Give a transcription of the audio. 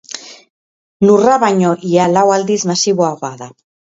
Lurra baino ia lau aldiz masiboagoa da.